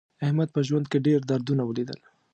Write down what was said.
احمد په ژوند کې ډېر دردونه ولیدل.